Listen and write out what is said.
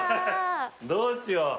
どうしよう。